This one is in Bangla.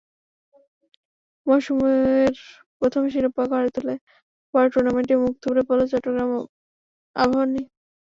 মৌসুমের প্রথম শিরোপা ঘরে তুলে পরের টুর্নামেন্টেই মুখ থুবড়ে পড়ল চট্টগ্রাম আবাহনী।